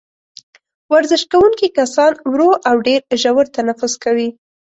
ورزش کوونکي کسان ورو او ډېر ژور تنفس کوي.